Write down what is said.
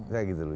kayak gitu loh